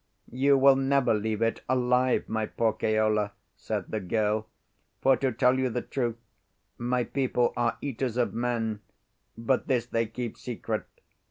"You will never leave it alive, my poor Keola," said the girl; "for to tell you the truth, my people are eaters of men; but this they keep secret.